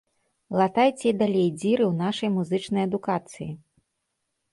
Латайце і далей дзіры ў нашай музычнай адукацыі!